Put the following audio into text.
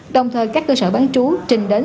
đồng thời các cơ sở bán trú trình đến